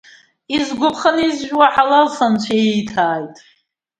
Изгәаԥханы изжәуа ҳалалс анцәа ииҭааит.